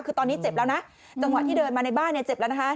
คือตอนนี้เจ็บแล้วนะจังหวะที่เดินมาในบ้านเนี่ยเจ็บแล้วนะคะ